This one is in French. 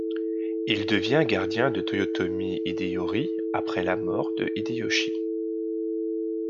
Il devient gardien de Toyotomi Hideyori après la mort de Hideyoshi.